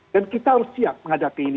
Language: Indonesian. dan kita harus siap menghadapi ini